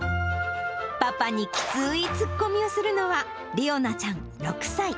パパにきつーいツッコミをするのは理央奈ちゃん６歳。